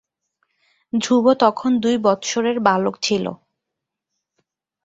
ধ্রুব তখন দুই বৎসরের বালক ছিল।